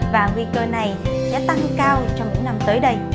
và nguy cơ này sẽ tăng cao trong những năm tới đây